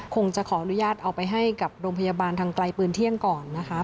คงจะขออนุญาตเอาไปให้กับโรงพยาบาลทางไกลปืนเที่ยงก่อนนะคะ